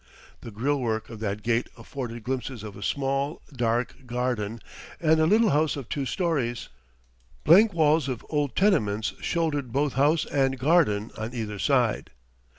The grille work of that gate afforded glimpses of a small, dark garden and a little house of two storeys. Blank walls of old tenements shouldered both house and garden on either side.